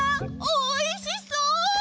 おいしそう！